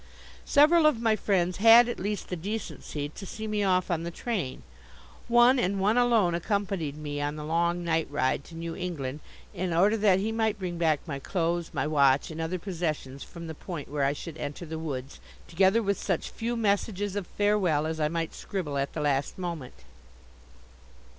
Several of my friends had at least the decency to see me off on the train. One, and one alone accompanied me on the long night ride to New England in order that he might bring back my clothes, my watch, and other possessions from the point where I should enter the woods, together with such few messages of farewell as I might scribble at the last moment.